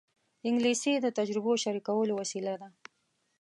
انګلیسي د تجربو شریکولو وسیله ده